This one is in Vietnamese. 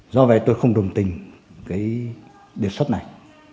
do vậy tôi không đồng tình cái đề xuất này